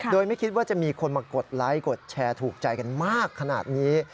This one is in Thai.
โดยไม่คิดว่าจะมีคนมากดไลค์กดแชร์ถูกใจกันมากขนาดนี้